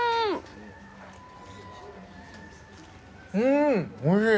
うんおいしい！